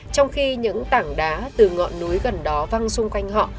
trong khi những tảng đá từ ngọn núi gần đó văng xung quanh họ